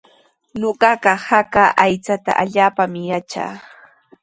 Ñuqaqa haka aychata allaapaami yatraa.